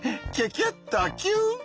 キュッとキュ！